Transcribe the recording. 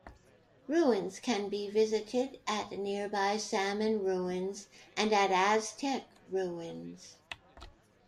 Ruins can be visited at nearby Salmon Ruins and at Aztec Ruins.